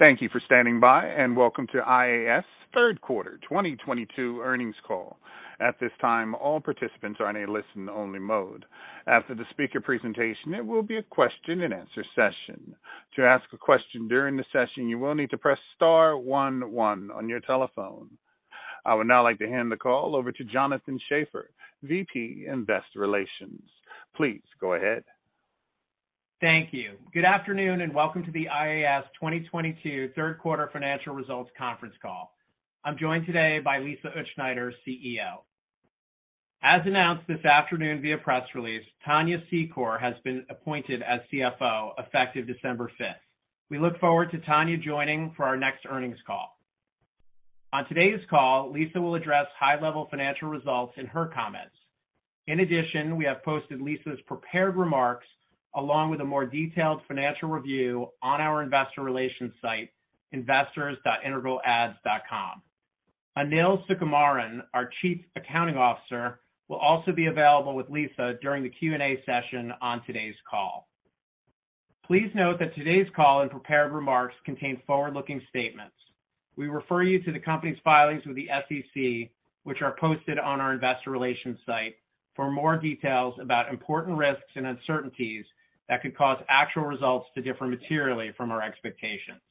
Thank you for standing by, and welcome to IAS third quarter 2022 earnings call. At this time, all participants are in a listen-only mode. After the speaker presentation, there will be a question-and-answer session. To ask a question during the session, you will need to press Star one one on your telephone. I would now like to hand the call over to Jonathan Schaffer, VP Investor Relations. Please go ahead. Thank you. Good afternoon, and welcome to the IAS 2022 third quarter financial results conference call. I'm joined today by Lisa Utzschneider, CEO. As announced this afternoon via press release, Tania Secor has been appointed as CFO effective December 5th. We look forward to Tania joining for our next earnings call. On today's call, Lisa will address high-level financial results in her comments. In addition, we have posted Lisa's prepared remarks along with a more detailed financial review on our investor relations site, investors.integralads.com. Anil Sukumaran, our Chief Accounting Officer, will also be available with Lisa during the Q&A session on today's call. Please note that today's call and prepared remarks contain forward-looking statements. We refer you to the company's filings with the SEC, which are posted on our investor relations site for more details about important risks and uncertainties that could cause actual results to differ materially from our expectations.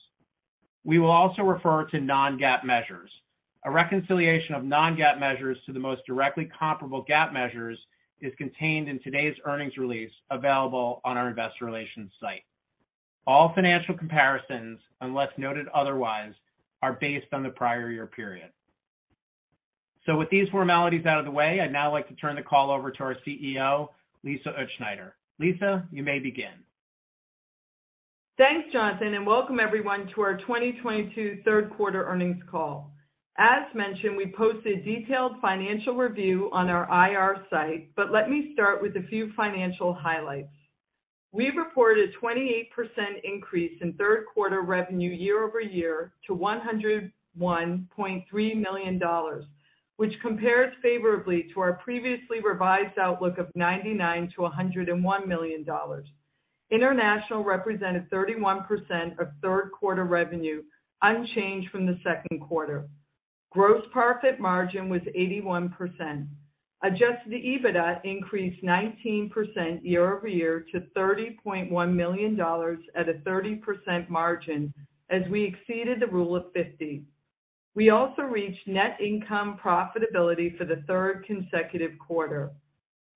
We will also refer to non-GAAP measures. A reconciliation of non-GAAP measures to the most directly comparable GAAP measures is contained in today's earnings release available on our investor relations site. All financial comparisons, unless noted otherwise, are based on the prior year period. With these formalities out of the way, I'd now like to turn the call over to our CEO, Lisa Utzschneider. Lisa, you may begin. Thanks, Jonathan, and welcome everyone to our 2022 third quarter earnings call. As mentioned, we posted detailed financial review on our IR site, but let me start with a few financial highlights. We reported a 28% increase in third quarter revenue year-over-year to $101.3 million, which compares favorably to our previously revised outlook of $99 million-$101 million. International represented 31% of third quarter revenue, unchanged from the second quarter. Gross profit margin was 81%. Adjusted EBITDA increased 19% year-over-year to $30.1 million at a 30% margin as we exceeded the Rule of 50. We also reached net income profitability for the third consecutive quarter.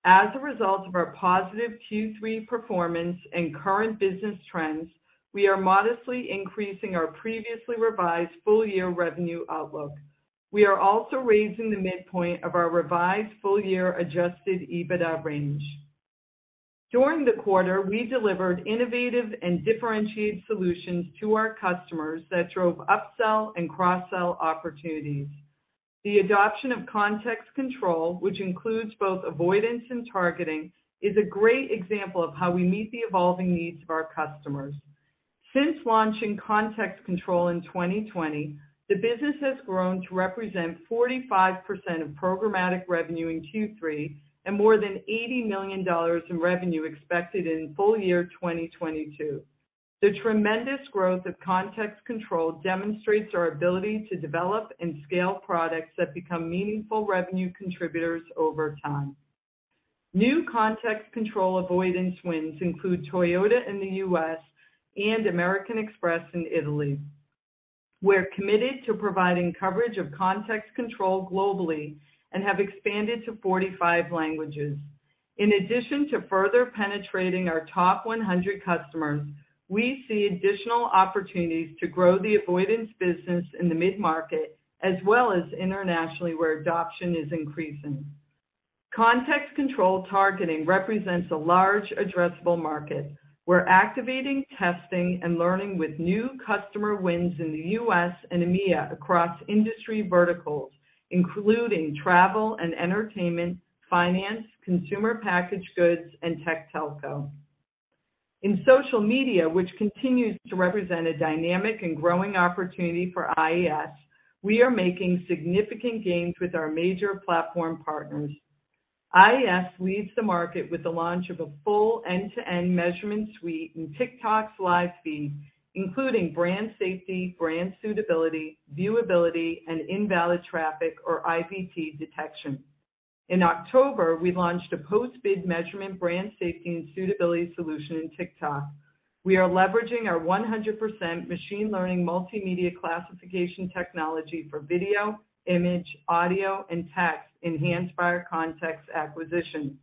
As a result of our positive Q3 performance and current business trends, we are modestly increasing our previously revised full-year revenue outlook. We are also raising the midpoint of our revised full-year adjusted EBITDA range. During the quarter, we delivered innovative and differentiated solutions to our customers that drove upsell and cross-sell opportunities. The adoption of Context Control, which includes both avoidance and targeting, is a great example of how we meet the evolving needs of our customers. Since launching Context Control in 2020, the business has grown to represent 45% of programmatic revenue in Q3 and more than $80 million in revenue expected in full-year 2022. The tremendous growth of Context Control demonstrates our ability to develop and scale products that become meaningful revenue contributors over time. New Context Control avoidance wins include Toyota in the U.S. and American Express in Italy. We're committed to providing coverage of Context Control globally and have expanded to 45 languages. In addition to further penetrating our top 100 customers, we see additional opportunities to grow the avoidance business in the mid-market, as well as internationally, where adoption is increasing. Context Control targeting represents a large addressable market. We're activating, testing, and learning with new customer wins in the U.S. and EMEA across industry verticals, including travel and entertainment, finance, consumer packaged goods, and tech telco. In social media, which continues to represent a dynamic and growing opportunity for IAS, we are making significant gains with our major platform partners. IAS leads the market with the launch of a full end-to-end measurement suite in TikTok's live feed, including brand safety, brand suitability, viewability, and invalid traffic or IVT detection. In October, we launched a post-bid measurement brand safety and suitability solution in TikTok. We are leveraging our 100% machine learning multimedia classification technology for video, image, audio, and text enhanced by our Context acquisition.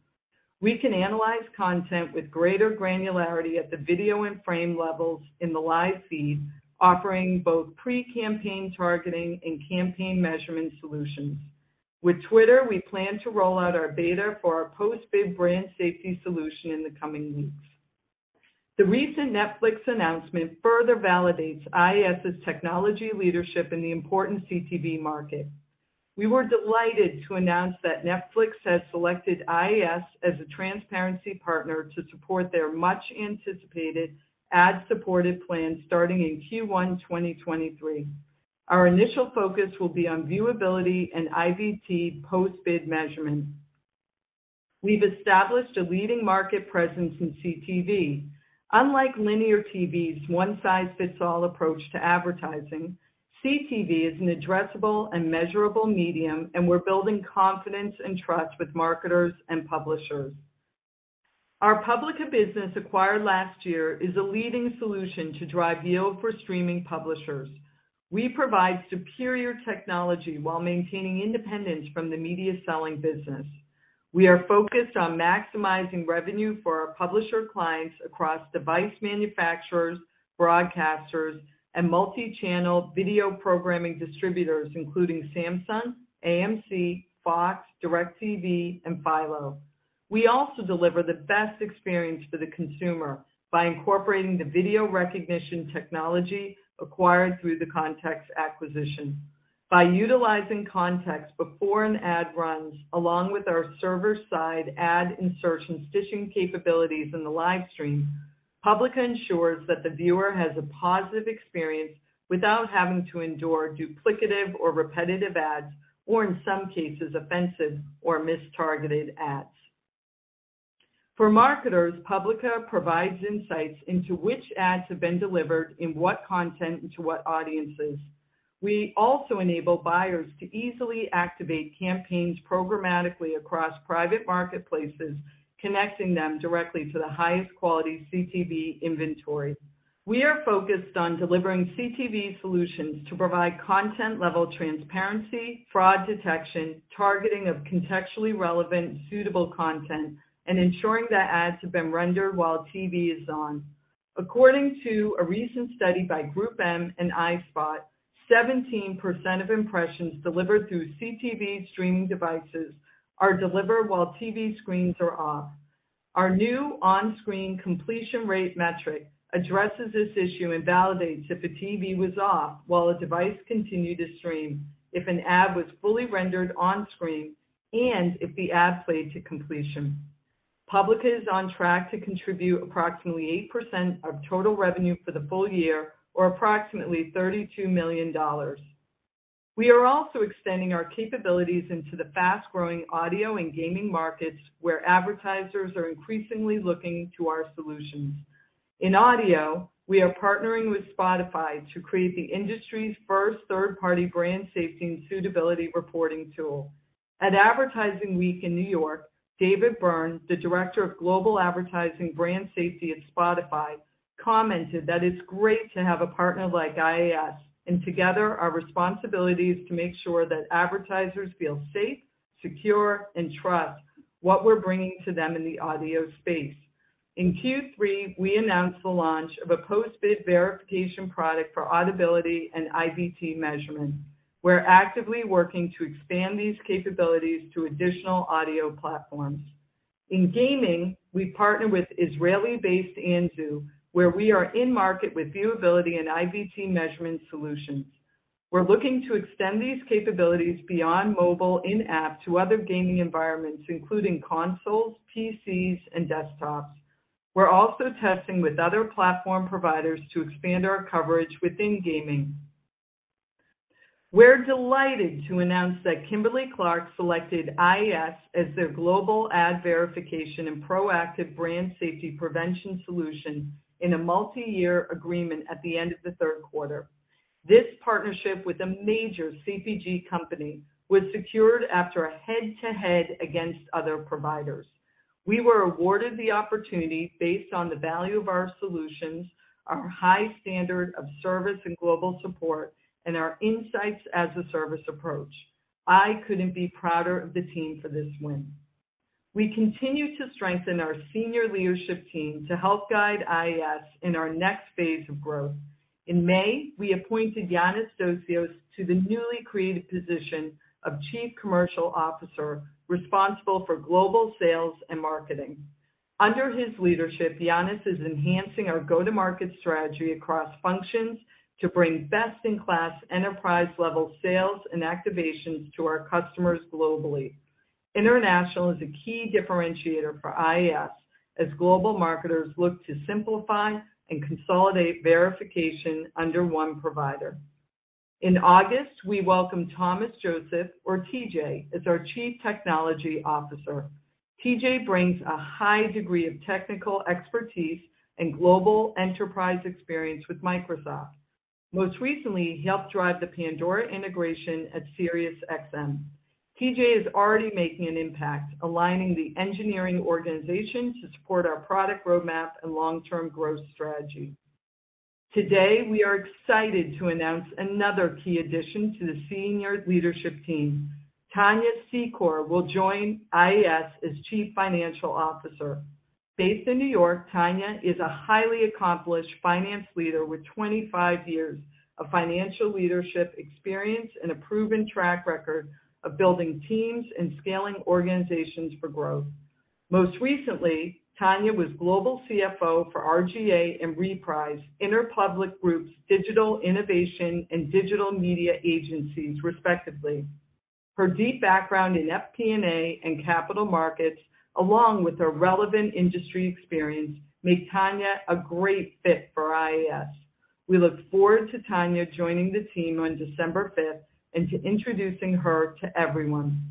We can analyze content with greater granularity at the video and frame levels in the live feed, offering both pre-campaign targeting and campaign measurement solutions. With Twitter, we plan to roll out our beta for our post-bid brand safety solution in the coming weeks. The recent Netflix announcement further validates IAS's technology leadership in the important CTV market. We were delighted to announce that Netflix has selected IAS as a transparency partner to support their much-anticipated ad-supported plan starting in Q1 2023. Our initial focus will be on viewability and IVT post-bid measurement. We've established a leading market presence in CTV. Unlike linear TV's one-size-fits-all approach to advertising, CTV is an addressable and measurable medium, and we're building confidence and trust with marketers and publishers. Our Publica business acquired last year is a leading solution to drive yield for streaming publishers. We provide superior technology while maintaining independence from the media selling business. We are focused on maximizing revenue for our publisher clients across device manufacturers, broadcasters, and multi-channel video programming distributors, including Samsung, AMC, Fox, DirecTV, and Philo. We also deliver the best experience for the consumer by incorporating the video recognition technology acquired through the Context acquisition. By utilizing Context before an ad runs, along with our server-side ad insertion stitching capabilities in the live stream, Publica ensures that the viewer has a positive experience without having to endure duplicative or repetitive ads, or in some cases, offensive or mistargeted ads. For marketers, Publica provides insights into which ads have been delivered, in what content, and to what audiences. We also enable buyers to easily activate campaigns programmatically across private marketplaces, connecting them directly to the highest quality CTV inventory. We are focused on delivering CTV solutions to provide content-level transparency, fraud detection, targeting of contextually relevant suitable content, and ensuring that ads have been rendered while TV is on. According to a recent study by GroupM and iSpot 17% of impressions delivered through CTV streaming devices are delivered while TV screens are off. Our new on-screen completion rate metric addresses this issue and validates if a TV was off while a device continued to stream, if an ad was fully rendered on screen, and if the ad played to completion. Publica is on track to contribute approximately 8% of total revenue for the full-year or approximately $32 million. We are also extending our capabilities into the fast-growing audio and gaming markets, where advertisers are increasingly looking to our solutions. In Audio, we are partnering with Spotify to create the industry's first third-party brand safety and suitability reporting tool. At Advertising Week in New York, Dave Byrne, Director of Global Advertising Platform Integrity at Spotify, commented that it's great to have a partner like IAS, and together our responsibility is to make sure that advertisers feel safe, secure, and trust what we're bringing to them in the audio space. In Q3, we announced the launch of a post-bid verification product for audibility and IVT measurement. We're actively working to expand these capabilities to additional audio platforms. In gaming, we partner with Israeli-based Anzu, where we are in market with viewability and IVT measurement solutions. We're looking to extend these capabilities beyond mobile in-app to other gaming environments, including consoles, PCs, and desktops. We're also testing with other platform providers to expand our coverage within gaming. We're delighted to announce that Kimberly-Clark selected IAS as their global ad verification and proactive brand safety prevention solution in a multi-year agreement at the end of the third quarter. This partnership with a major CPG company was secured after a head-to-head against other providers. We were awarded the opportunity based on the value of our solutions, our high standard of service and global support, and our insights-as-a-service approach. I couldn't be prouder of the team for this win. We continue to strengthen our senior leadership team to help guide IAS in our next phase of growth. In May, we appointed Yannis Dosios to the newly created position of Chief Commercial Officer, responsible for global sales and marketing. Under his leadership, Yannis is enhancing our go-to-market strategy across functions to bring best-in-class enterprise-level sales and activations to our customers globally. International is a key differentiator for IAS as global marketers look to simplify and consolidate verification under one provider. In August, we welcomed Thomas Joseph, or TJ, as our Chief Technology Officer. TJ brings a high degree of technical expertise and global enterprise experience with Microsoft. Most recently, he helped drive the Pandora integration at Sirius XM. TJ is already making an impact aligning the engineering organization to support our product roadmap and long-term growth strategy. Today, we are excited to announce another key addition to the senior leadership team. Tania Secor will join IAS as Chief Financial Officer. Based in New York, Tania is a highly accomplished finance leader with 25 years of financial leadership experience and a proven track record of building teams and scaling organizations for growth. Most recently, Tania was Global CFO for R/GA and Reprise, Interpublic Group's digital innovation and digital media agencies, respectively. Her deep background in FP&A and capital markets, along with her relevant industry experience, make Tania a great fit for IAS. We look forward to Tania joining the team on December fifth and to introducing her to everyone.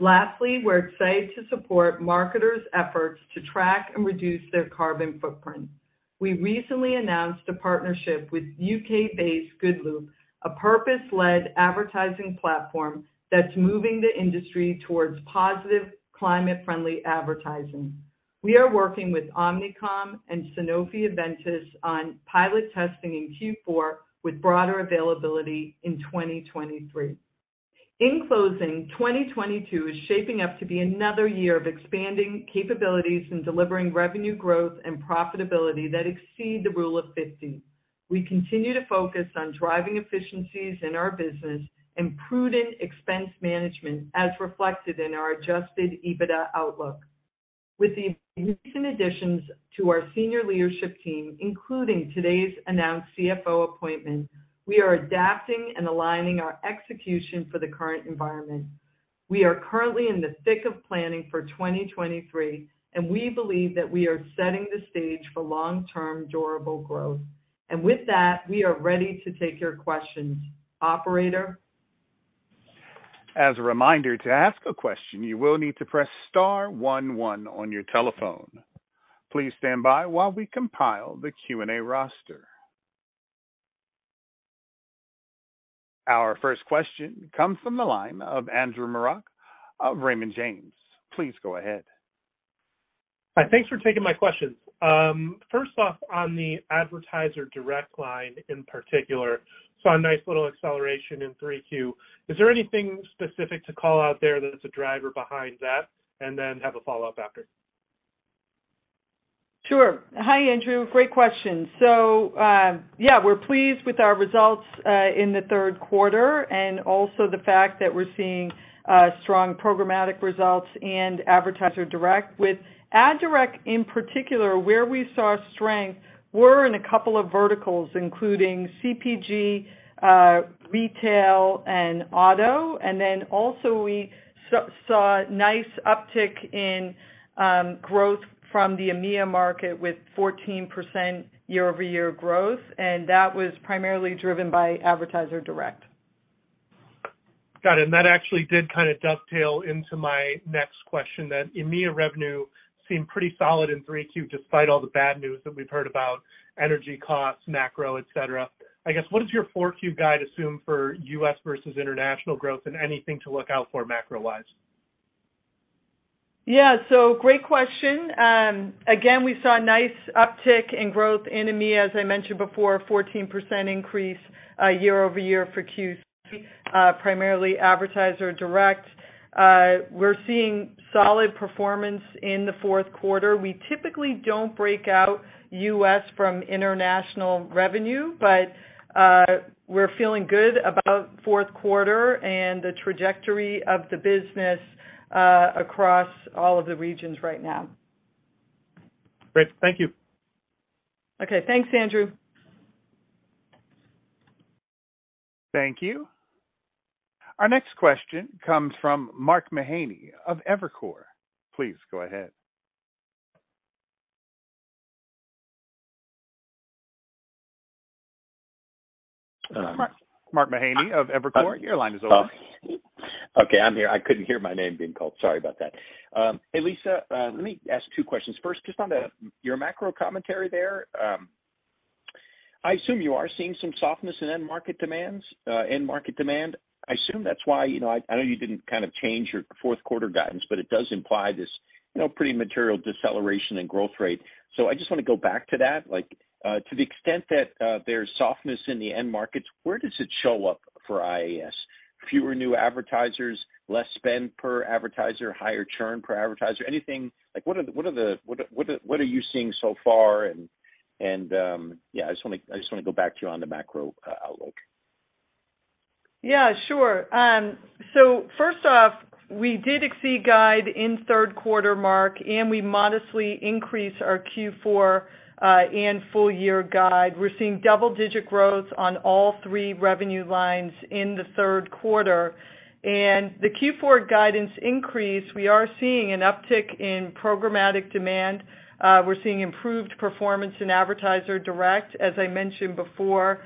Lastly, we're excited to support marketers' efforts to track and reduce their carbon footprint. We recently announced a partnership with U.K.-based Good-Loop, a purpose-led advertising platform that's moving the industry towards positive climate-friendly advertising. We are working with Omnicom and Sanofi-Aventis on pilot testing in Q4 with broader availability in 2023. In closing, 2022 is shaping up to be another year of expanding capabilities and delivering revenue growth and profitability that exceed the Rule of 50. We continue to focus on driving efficiencies in our business and prudent expense management as reflected in our adjusted EBITDA outlook. With the recent additions to our senior leadership team, including today's announced CFO appointment, we are adapting and aligning our execution for the current environment. We are currently in the thick of planning for 2023, and we believe that we are setting the stage for long-term durable growth. With that, we are ready to take your questions. Operator? As a reminder, to ask a question, you will need to press ]Star one one on your telephone. Please stand by while we compile the Q&A roster. Our first question comes from the line of Andrew Marok of Raymond James. Please go ahead. Hi, thanks for taking my questions. First off, on the advertiser direct line in particular, saw a nice little acceleration in 3Q. Is there anything specific to call out there that's a driver behind that, and then have a follow-up after? Sure. Hi, Andrew. Great question. Yeah, we're pleased with our results in the third quarter and also the fact that we're seeing strong programmatic results and advertiser direct. With ad direct in particular, where we saw strength were in a couple of verticals, including CPG, retail, and auto. We saw a nice uptick in growth from the EMEA market with 14% year-over-year growth, and that was primarily driven by advertiser direct. Got it. That actually did kind of dovetail into my next question that EMEA revenue seemed pretty solid in 3Q despite all the bad news that we've heard about energy costs, macro, et cetera. I guess, what does your 4Q guide assume for U.S. versus international growth and anything to look out for macro-wise? Great question. Again, we saw a nice uptick in growth in EMEA, as I mentioned before, 14% increase year-over-year for Q3, primarily advertiser direct. We're seeing solid performance in the fourth quarter. We typically don't break out U.S. from international revenue, but we're feeling good about fourth quarter and the trajectory of the business across all of the regions right now. Great. Thank you. Okay. Thanks, Andrew. Thank you. Our next question comes from Mark Mahaney of Evercore ISI. Please go ahead. Mark Mahaney of Evercore ISI, your line is open. Okay, I'm here. I couldn't hear my name being called. Sorry about that. Hey, Lisa, let me ask two questions. First, just on your macro commentary there, I assume you are seeing some softness in end market demand. I assume that's why, you know, I know you didn't kind of change your fourth quarter guidance, but it does imply this, you know, pretty material deceleration in growth rate. I just wanna go back to that. Like, to the extent that there's softness in the end markets, where does it show up for IAS? Fewer new advertisers, less spend per advertiser, higher churn per advertiser? Anything, like what are you seeing so far? Yeah, I just wanna go back to you on the macro outlook. Yeah, sure. First off, we did exceed guide in third quarter, Mark, and we modestly increased our Q4 and full-year guide. We're seeing double-digit growth on all three revenue lines in the third quarter. The Q4 guidance increase, we are seeing an uptick in programmatic demand. We're seeing improved performance in advertiser direct, as I mentioned before,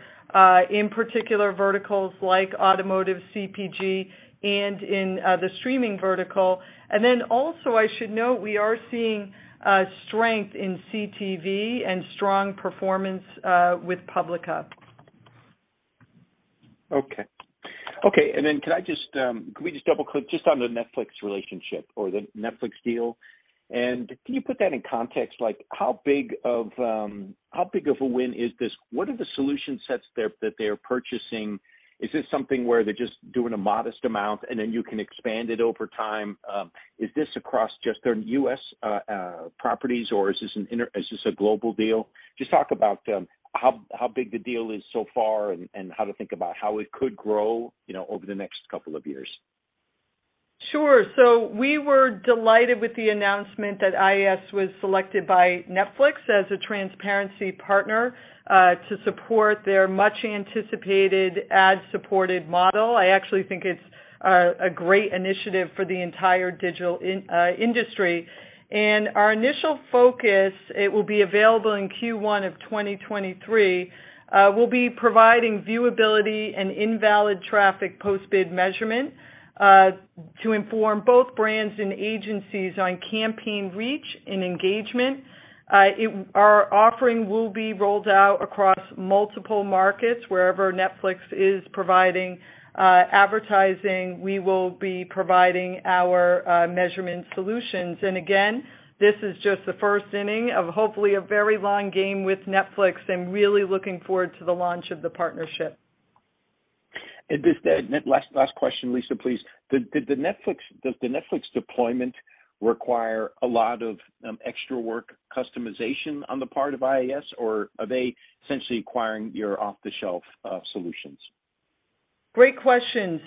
in particular verticals like automotive CPG and in the streaming vertical. Also I should note we are seeing strength in CTV and strong performance with Publica. Could we just double click just on the Netflix relationship or the Netflix deal? Can you put that in context, like how big of a win is this? What are the solution sets that they are purchasing? Is this something where they're just doing a modest amount and then you can expand it over time? Is this across just their U.S. properties or is this a global deal? Just talk about how big the deal is so far and how to think about how it could grow, you know, over the next couple of years. Sure. We were delighted with the announcement that IAS was selected by Netflix as a transparency partner, to support their much-anticipated ad-supported model. I actually think it's a great initiative for the entire digital industry. Our initial focus, it will be available in Q1 of 2023, we'll be providing viewability and invalid traffic post-bid measurement, to inform both brands and agencies on campaign reach and engagement. Our offering will be rolled out across multiple markets. Wherever Netflix is providing advertising, we will be providing our measurement solutions. Again, this is just the first inning of hopefully a very long game with Netflix and really looking forward to the launch of the partnership. Just last question, Lisa, please. Does the Netflix deployment require a lot of extra work customization on the part of IAS, or are they essentially acquiring your off-the-shelf solutions? Great question.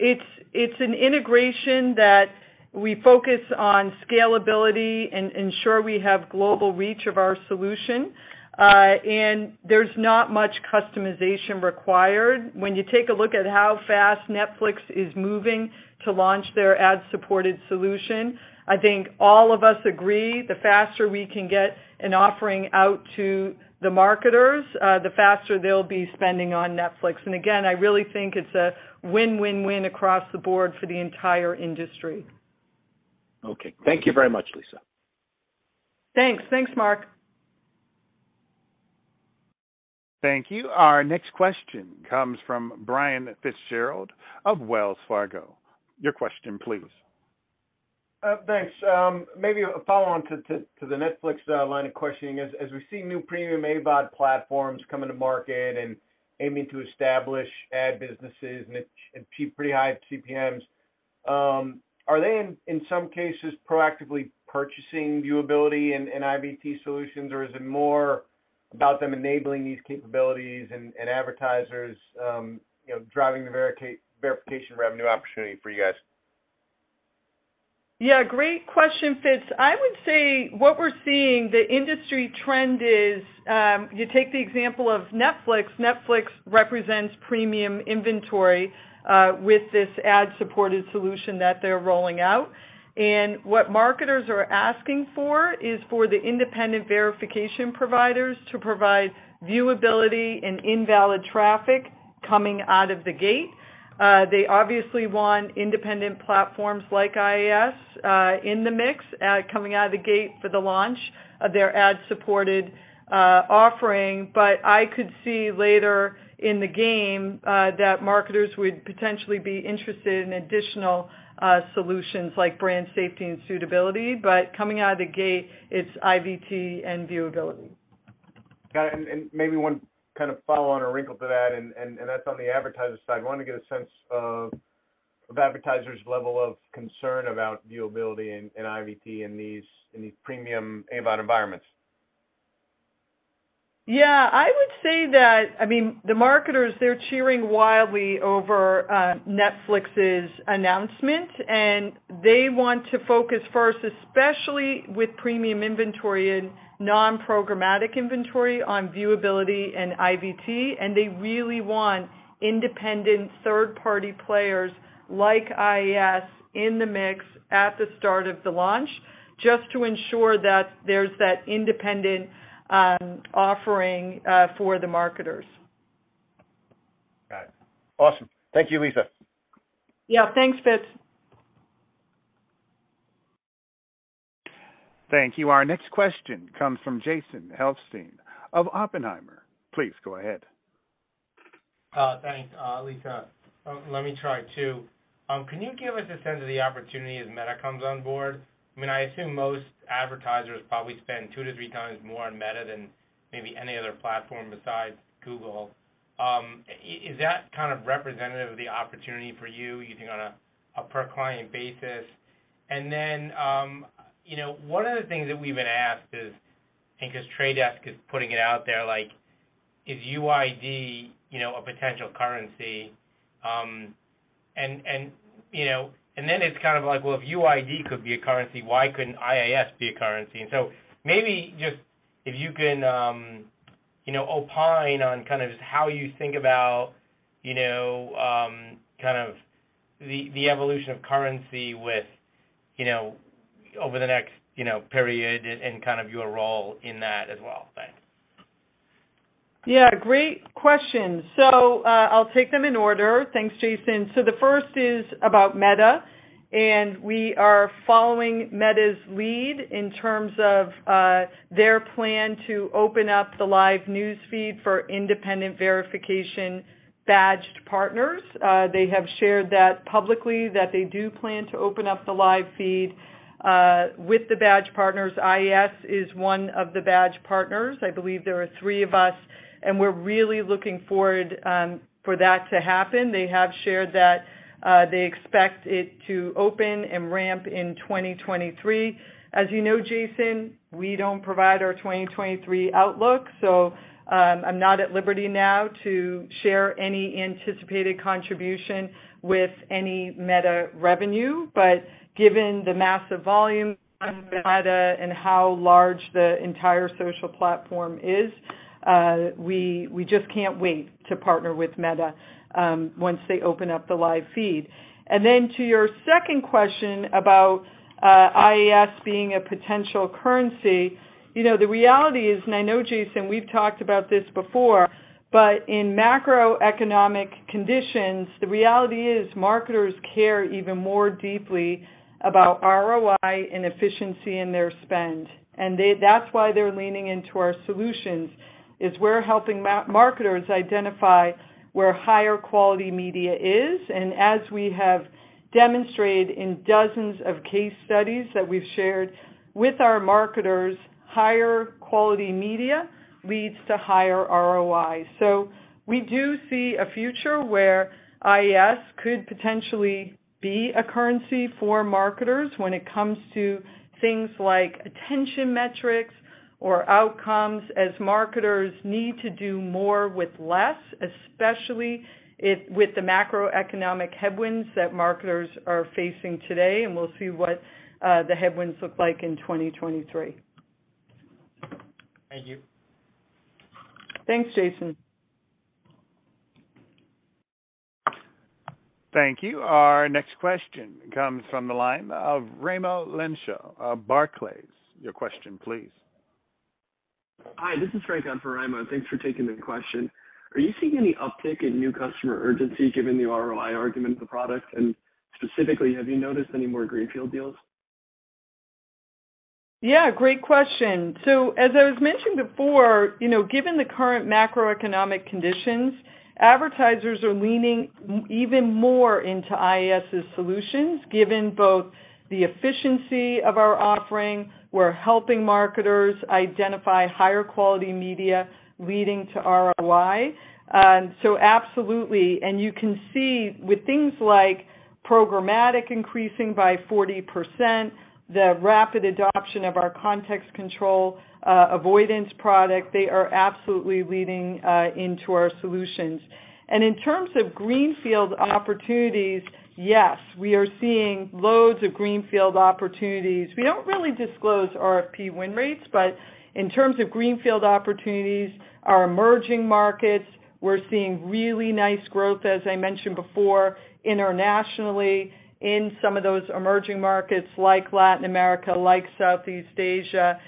It's an integration that we focus on scalability and ensure we have global reach of our solution. There's not much customization required. When you take a look at how fast Netflix is moving to launch their ad-supported solution, I think all of us agree the faster we can get an offering out to the marketers, the faster they'll be spending on Netflix. I really think it's a win-win-win across the board for the entire industry. Okay. Thank you very much, Lisa. Thanks. Thanks, Mark. Thank you. Our next question comes from Brian Fitzgerald of Wells Fargo. Your question please. Thanks. Maybe a follow-on to the Netflix line of questioning. As we see new premium AVOD platforms coming to market and aiming to establish ad businesses and keep pretty high CPMs, are they, in some cases, proactively purchasing viewability and IVT solutions, or is it more about them enabling these capabilities and advertisers, you know, driving the verification revenue opportunity for you guys? Yeah, great question, Fitz. I would say what we're seeing, the industry trend is, you take the example of Netflix. Netflix represents premium inventory with this ad-supported solution that they're rolling out. What marketers are asking for is for the independent verification providers to provide viewability and invalid traffic coming out of the gate. They obviously want independent platforms like IAS in the mix coming out of the gate for the launch of their ad-supported offering. I could see later in the game that marketers would potentially be interested in additional solutions like brand safety and suitability, but coming out of the gate, it's IVT and viewability. Got it. Maybe one kind of follow-on or wrinkle to that's on the advertiser side. Wanna get a sense of advertisers' level of concern about viewability and IVT in these premium AVOD environments. Yeah. I would say that, I mean, the marketers, they're cheering wildly over Netflix's announcement, and they want to focus first, especially with premium inventory and non-programmatic inventory on viewability and IVT, and they really want independent third-party players like IAS in the mix at the start of the launch just to ensure that there's that independent offering for the marketers. Got it. Awesome. Thank you, Lisa. Yeah. Thanks, Fitz. Thank you. Our next question comes from Jason Helfstein of Oppenheimer. Please go ahead. Thanks, Lisa. Let me try too. Can you give us a sense of the opportunity as Meta comes on board? I mean, I assume most advertisers probably spend 2x-3x more on Meta than maybe any other platform besides Google. Is that kind of representative of the opportunity for you, even on a per client basis? Then, you know, one of the things that we've been asked is, I think 'cause The Trade Desk is putting it out there, like, is UID, you know, a potential currency? And then it's kind of like, well, if UID could be a currency, why couldn't IAS be a currency? Maybe just if you can, you know, opine on kind of just how you think about, you know, kind of the evolution of currency with, you know, over the next, you know, period and kind of your role in that as well. Thanks. Yeah, great question. I'll take them in order. Thanks, Jason. The first is about Meta, and we are following Meta's lead in terms of their plan to open up the live news feed for independent verification badged partners. They have shared that publicly that they do plan to open up the live feed with the badge partners. IAS is one of the badge partners. I believe there are three of us, and we're really looking forward for that to happen. They have shared that they expect it to open and ramp in 2023. As you know, Jason, we don't provide our 2023 outlook, so I'm not at liberty now to share any anticipated contribution with any Meta revenue. Given the massive volume of Meta and how large the entire social platform is, we just can't wait to partner with Meta, once they open up the live feed. Then to your second question about IAS being a potential currency, you know, the reality is, and I know Jason, we've talked about this before, but in macroeconomic conditions, the reality is marketers care even more deeply about ROI and efficiency in their spend. They-- that's why they're leaning into our solutions, is we're helping marketers identify where higher quality media is. As we have demonstrated in dozens of case studies that we've shared with our marketers, higher quality media leads to higher ROI. We do see a future where IAS could potentially be a currency for marketers when it comes to things like attention metrics or outcomes as marketers need to do more with less, especially with the macroeconomic headwinds that marketers are facing today. We'll see what the headwinds look like in 2023. Thank you. Thanks, Jason. Thank you. Our next question comes from the line of Raimo Lenschow of Barclays. Your question please. Hi, this is Frank on for Raimo. Thanks for taking the question. Are you seeing any uptick in new customer urgency given the ROI argument of the product? Specifically, have you noticed any more greenfield deals? Yeah, great question. As I was mentioning before, you know, given the current macroeconomic conditions, advertisers are leaning even more into IAS' solutions, given both the efficiency of our offering. We're helping marketers identify higher quality media leading to ROI. Absolutely. You can see with things like programmatic increasing by 40%, the rapid adoption of our Context Control avoidance product, they are absolutely leading into our solutions. In terms of greenfield opportunities, yes, we are seeing loads of greenfield opportunities. We don't really disclose RFP win rates, but in terms of greenfield opportunities, our emerging markets, we're seeing really nice growth, as I mentioned before, internationally in some of those emerging markets like Latin America, like Southeast Asia.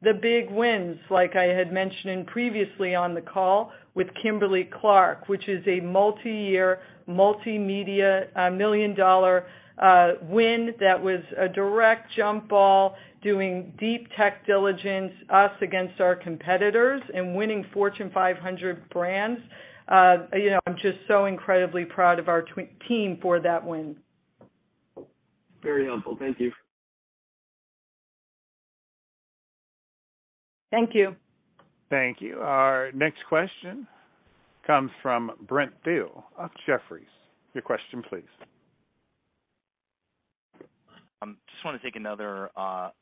The big wins, like I had mentioned previously on the call with Kimberly-Clark, which is a multi-year, multimedia, million-dollar win that was a direct jump ball, doing deep tech diligence, us against our competitors and winning Fortune 500 brands. You know, I'm just so incredibly proud of our team for that win. Very helpful. Thank you. Thank you. Thank you. Our next question comes from Brent Thill of Jefferies. Your question please. Just wanna take another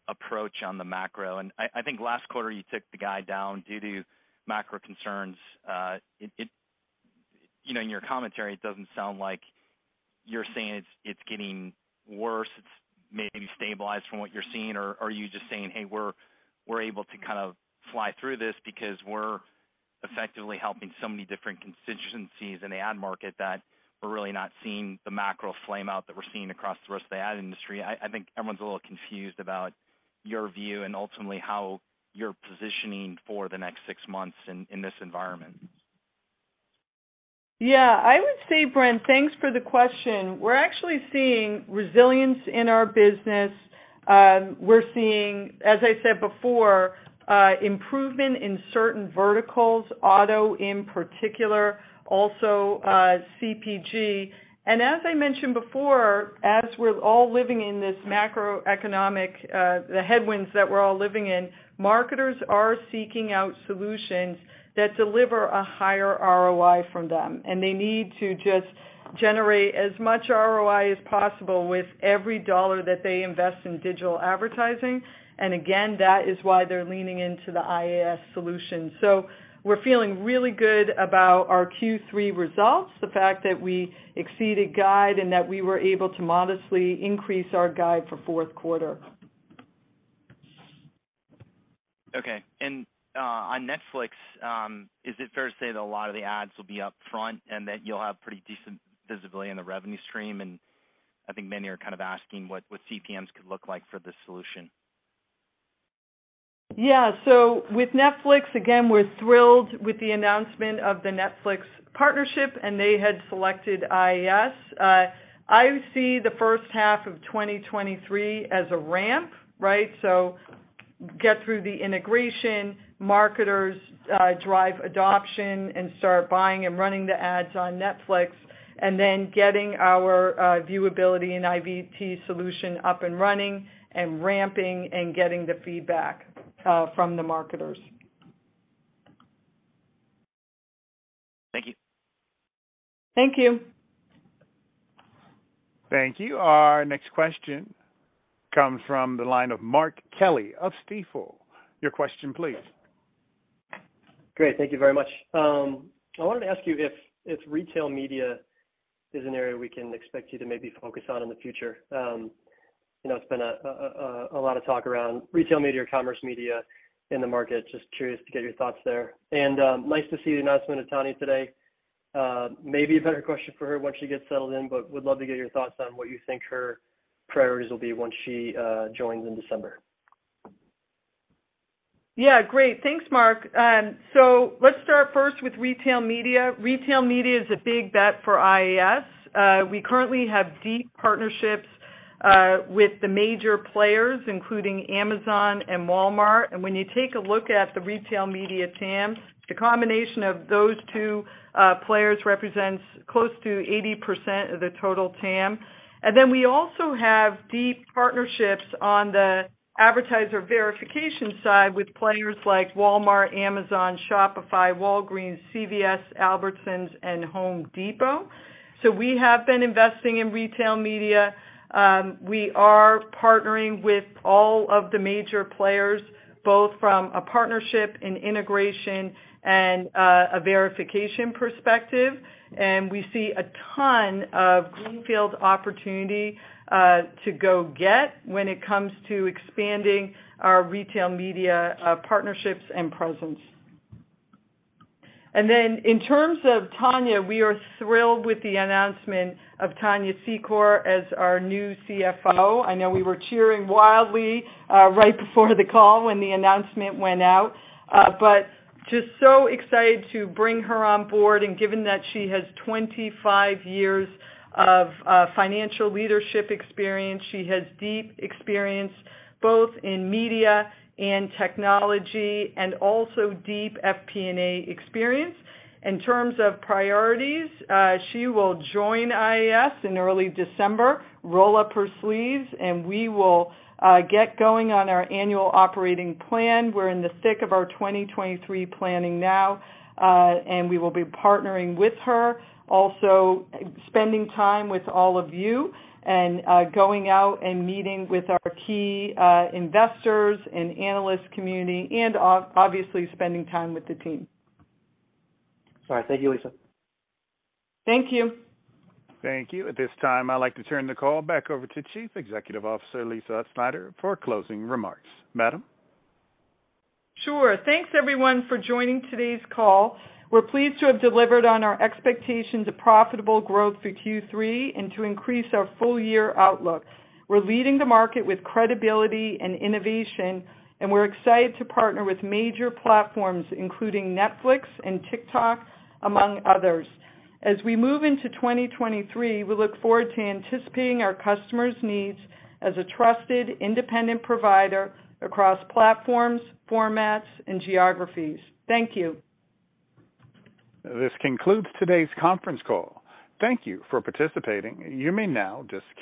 approach on the macro. I think last quarter you took the guide down due to macro concerns. It, you know, in your commentary, it doesn't sound like you're saying it's getting worse, it's maybe stabilized from what you're seeing. Are you just saying, hey, we're able to kind of fly through this because we're effectively helping so many different constituencies in the ad market that we're really not seeing the macro flame out that we're seeing across the rest of the ad industry. I think everyone's a little confused about your view and ultimately how you're positioning for the next six months in this environment. Yeah, I would say, Brent, thanks for the question. We're actually seeing resilience in our business. We're seeing, as I said before, improvement in certain verticals, auto in particular, also CPG. As I mentioned before, as we're all living in these macroeconomic headwinds, marketers are seeking out solutions that deliver a higher ROI from them, and they need to just generate as much ROI as possible with every dollar that they invest in digital advertising. Again, that is why they're leaning into the IAS solution. We're feeling really good about our Q3 results, the fact that we exceeded guide and that we were able to modestly increase our guide for fourth quarter. Okay, on Netflix, is it fair to say that a lot of the ads will be up front and that you'll have pretty decent visibility in the revenue stream? I think many are kind of asking what CPMs could look like for this solution. Yeah. With Netflix, again, we're thrilled with the announcement of the Netflix partnership, and they had selected IAS. I see the first half of 2023 as a ramp, right? Get through the integration, marketers, drive adoption and start buying and running the ads on Netflix, and then getting our viewability and IVT solution up and running and ramping and getting the feedback from the marketers. Thank you. Thank you. Thank you. Our next question comes from the line of Mark Kelley of Stifel. Your question please. Great. Thank you very much. I wanted to ask you if retail media is an area we can expect you to maybe focus on in the future. You know, it's been a lot of talk around retail media or commerce media in the market. Just curious to get your thoughts there. Nice to see the announcement of Tania today. Maybe a better question for her once she gets settled in, but would love to get your thoughts on what you think her priorities will be once she joins in December. Yeah, great. Thanks, Mark. Let's start first with retail media. Retail media is a big bet for IAS. We currently have deep partnerships with the major players, including Amazon and Walmart. When you take a look at the retail media TAMs, the combination of those two players represents close to 80% of the total TAM. We also have deep partnerships on the advertiser verification side with players like Walmart, Amazon, Shopify, Walgreens, CVS, Albertsons, and Home Depot. We have been investing in retail media. We are partnering with all of the major players, both from a partnership and integration and a verification perspective. We see a ton of greenfield opportunity to go get when it comes to expanding our retail media partnerships and presence. In terms of Tania, we are thrilled with the announcement of Tania Secor as our new CFO. I know we were cheering wildly right before the call when the announcement went out. Just so excited to bring her on board. Given that she has 25 years of financial leadership experience, she has deep experience both in media and technology, and also deep FP&A experience. In terms of priorities, she will join IAS in early December, roll up her sleeves, and we will get going on our annual operating plan. We're in the thick of our 2023 planning now, and we will be partnering with her, also spending time with all of you and going out and meeting with our key investors and analyst community and obviously spending time with the team. All right. Thank you, Lisa. Thank you. Thank you. At this time, I'd like to turn the call back over to Chief Executive Officer Lisa Utzschneider for closing remarks. Madam? Sure. Thanks everyone for joining today's call. We're pleased to have delivered on our expectations of profitable growth for Q3 and to increase our full-year outlook. We're leading the market with credibility and innovation, and we're excited to partner with major platforms including Netflix and TikTok, among others. As we move into 2023, we look forward to anticipating our customers' needs as a trusted independent provider across platforms, formats and geographies. Thank you. This concludes today's conference call. Thank you for participating. You may now disconnect.